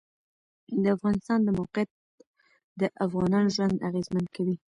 د افغانستان د موقعیت د افغانانو ژوند اغېزمن کوي.